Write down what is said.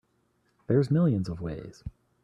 There's millions of ways.